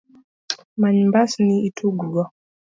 Many mbasni itug go.